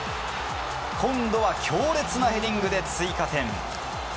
今度は強烈なヘディングで追加点。